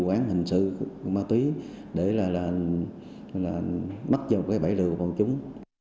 dù quán hình sự ma túy để là bắt vào cái bẫy lừa của bọn chúng